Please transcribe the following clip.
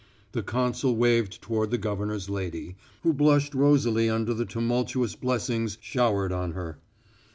The consul waved toward the governor's lady, who blushed rosily under the tumultuous blessings showered on her.